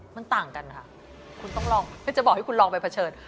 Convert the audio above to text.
มันต่างกันค่ะคุณต้องลองเพื่อจะบอกให้คุณลองไปเผชิญ